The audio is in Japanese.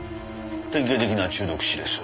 典型的な中毒死です。